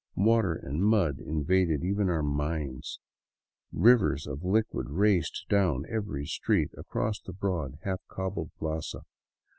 Water and mud invaded even our minds. Rivers of liquid mud raced down every street and across the broad, half cobbled plaza.